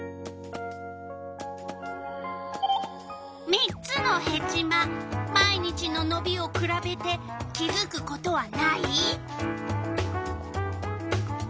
３つのヘチマ毎日ののびをくらべて気づくことはない？